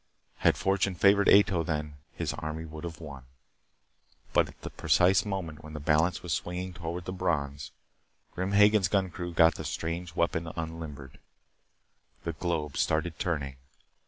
Had fortune favored Ato then, his army would have won. But at the precise moment when the balance was swinging toward the Brons, Grim Hagen's gun crew got the strange weapon unlimbered. The globe started turning.